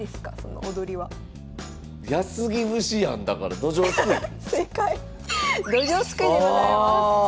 ドジョウすくいでございます。